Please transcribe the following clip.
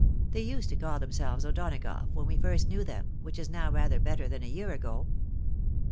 They used to call themselves O'Donagough when we first knew them, which is now rather better than a year ago."